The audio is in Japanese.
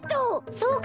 そうか！